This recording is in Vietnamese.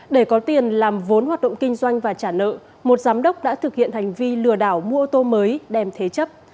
để có tiền làm vốn hoạt động kinh doanh và trả nợ một giám đốc đã thực hiện hành vi lừa đảo mua ô tô mới đem thế chấp